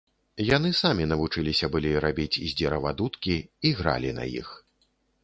Яны самі навучыліся былі рабіць з дзерава дудкі і гралі на іх.